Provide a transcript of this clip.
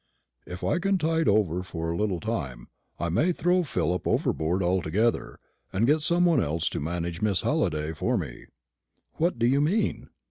"If I can tide over for a little time, I may throw Philip overboard altogether, and get some one else to manage Miss Halliday for me." "What do you mean?"